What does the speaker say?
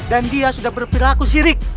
dan dia sudah berpilaku sirik